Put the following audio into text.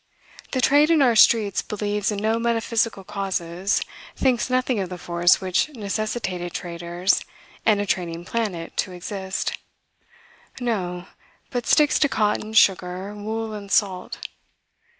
The trade in our streets believes in no metaphysical causes, thinks nothing of the force which necessitated traders and a trading planet to exist; no, but sticks to cotton, sugar, wool, and salt.